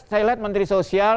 saya lihat menteri sosial